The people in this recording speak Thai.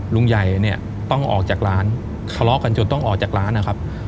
ลุงใหญ่เนี่ยต้องออกจากร้านทะเลาะกันจนต้องออกจากร้านนะครับ